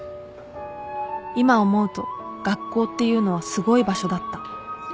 今思うと学校っていうのはすごい場所だった